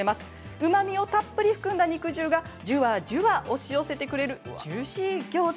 うまみをたっぷり含んだ肉汁がじゅわじゅわ押し寄せてくれるジューシーギョーザ。